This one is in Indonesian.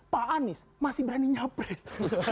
pak anies masih berani nyapres